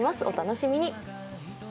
お楽しみに。